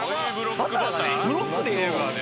バターブロックで入れるからね。